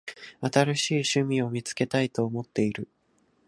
新しい趣味を見つけたいと思っている。